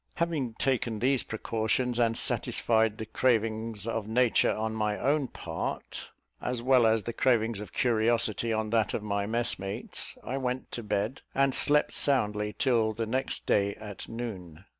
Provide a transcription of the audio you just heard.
Having taken these precautions, and satisfied the cravings of nature on my own part, as well as the cravings of curiosity on that of my messmates, I went to bed, and slept soundly till the next day at noon.